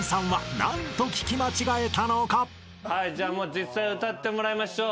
実際歌ってもらいましょう。